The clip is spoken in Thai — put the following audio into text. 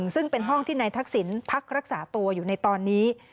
ซึ่งเป็นห้องที่นายทักษิณพักรักษาตัวอยู่ในตอนนี้